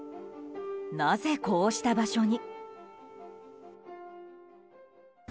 なぜ、こうした場所に？